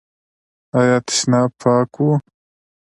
ایا تشناب پاک و؟